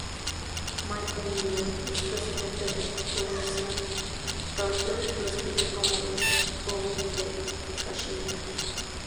Michael Meier, expresidente del Borussia Dortmund, lo describió como un "Hooligan de Cachemira".